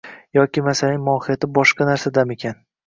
Yoki masalaning mohiyati boshqa narsadamikan?